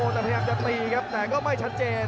แต่พยายามจะตีครับแต่ก็ไม่ชัดเจน